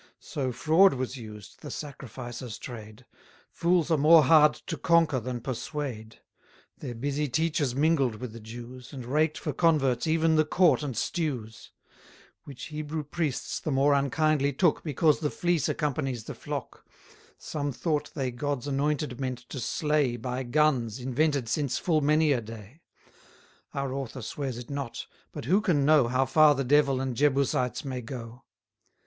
So fraud was used, the sacrificer's trade: Fools are more hard to conquer than persuade. Their busy teachers mingled with the Jews, And raked for converts even the court and stews: Which Hebrew priests the more unkindly took, Because the fleece accompanies the flock, Some thought they God's anointed meant to slay 130 By guns, invented since full many a day: Our author swears it not; but who can know How far the devil and Jebusites may go?